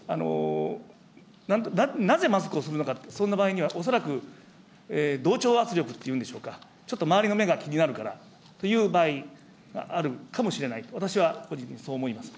なぜマスクをするのか、そんな場合には恐らく、同調圧力っていうんでしょうか、ちょっと周りの目が気になるからという場合があるかもしれない、私はそう思います。